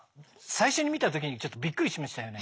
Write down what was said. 最初に見た時にちょっとびっくりしましたよね。